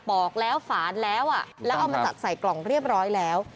อกแล้วฝานแล้วแล้วเอามาจัดใส่กล่องเรียบร้อยแล้ว